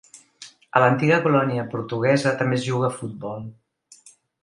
A l'antiga colònia portuguesa també es juga a futbol.